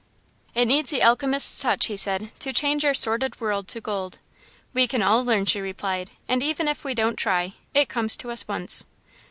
"It needs the alchemist's touch," he said, "to change our sordid world to gold." "We can all learn," she replied, "and even if we don't try, it comes to us once."